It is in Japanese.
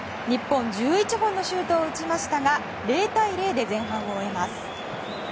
日本、１１本のシュートを打ちましたが０対０で前半を終えます。